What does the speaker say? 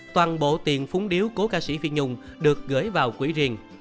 toàn bộ tiền phúng điếu cố ca sĩ phi nhung được gửi vào quỹ riêng